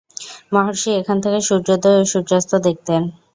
মহর্ষি এখান থেকে সূর্যোদয় ও সূর্যাস্ত দেখতেন।